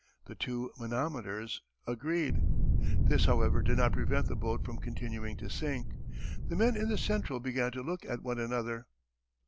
The two manometers agreed. This, however, did not prevent the boat from continuing to sink. The men in the central began to look at one another....